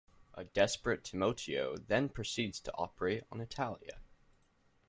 A desperate Timoteo then proceeds to operate on Italia.